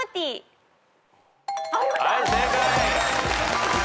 はい正解。